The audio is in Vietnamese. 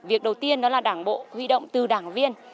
việc đầu tiên đó là đảng bộ huy động từ đảng viên